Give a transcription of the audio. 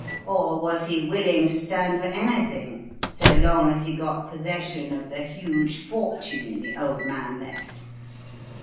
Or was he willing to stand for anything so long as he got possession of the huge fortune the old man left?"